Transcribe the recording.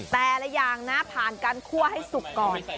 แต่ละอย่างนะผ่านการคั่วให้สุกก่อน